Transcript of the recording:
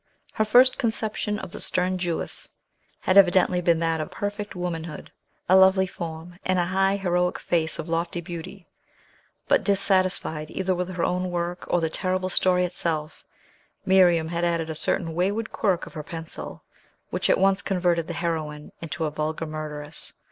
Her first conception of the stern Jewess had evidently been that of perfect womanhood, a lovely form, and a high, heroic face of lofty beauty; but, dissatisfied either with her own work or the terrible story itself, Miriam had added a certain wayward quirk of her pencil, which at once converted the heroine into a vulgar murderess.